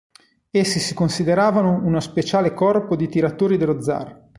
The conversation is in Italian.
Essi si consideravano uno speciale corpo di tiratori dello zar.